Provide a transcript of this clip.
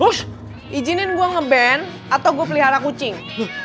us ijinin gue nge ban atau gue pelihara kucing